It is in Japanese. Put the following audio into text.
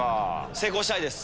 成功したいです。